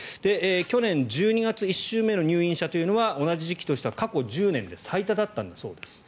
去年１２月１週目の入院者というのは同じ時期としては過去１０年で最多だったんだそうです。